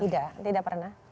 tidak tidak pernah